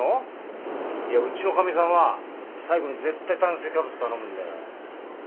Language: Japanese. いやうちのかみさんは最後に絶対炭水化物頼むんだよ。